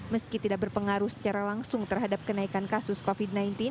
meski tidak berpengaruh secara langsung terhadap kenaikan kasus covid sembilan belas